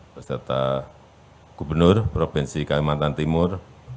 beserta gubernur provinsi kalimantan timur